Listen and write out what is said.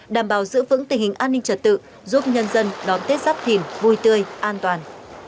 đảm bảo giữ vững tình hình an ninh trật tự giúp nhân dân đón tết giáp thìn vui tươi an toàn